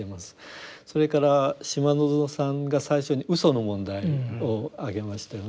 それから島薗さんが最初に嘘の問題を挙げましたよね。